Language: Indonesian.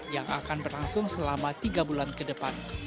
yang akan berlangsung selama tiga bulan ke depan